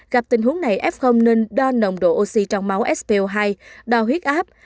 về việc này f nên đo nồng độ oxy trong máu spo hai đo huyết áp